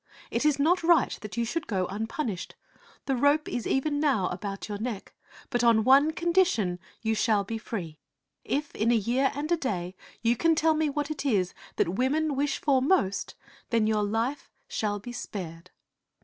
It is not right that you should go unpunished. The rope is even now about your neck, but on one condition you shall be free. If in a year and a day you can tell me what it is that women wish for most, then your life shall be spared."